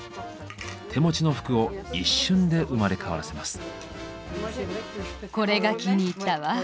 手持ちの服を一瞬で生まれ変わらせます。